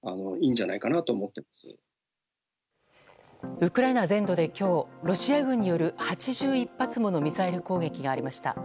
ウクライナ全土で今日ロシア軍による８１発ものミサイル攻撃がありました。